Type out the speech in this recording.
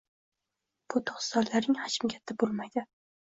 Bu dostonlarning hajmi katta bo'lmay-di